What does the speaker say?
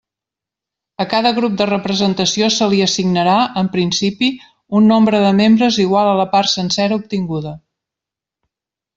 A cada grup de representació se li assignarà, en principi, un nombre de membres igual a la part sencera obtinguda.